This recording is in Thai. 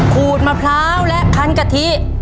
ขูดมะพร้าวและคันกะทิ